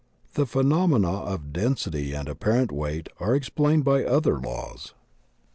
The phenomena of density and apparent weight are ex plained by other laws.